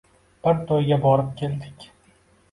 Bir toʻyga borib keldik.